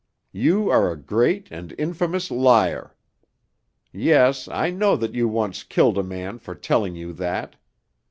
You are a great and infamous liar! Yes, I know that you once killed a man for telling you that.